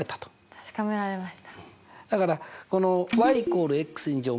確かめられました。